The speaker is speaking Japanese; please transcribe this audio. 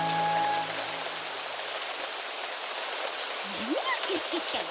なによシュッシュったら！